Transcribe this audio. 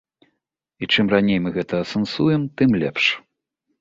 І чым раней мы гэта асэнсуем, тым лепш.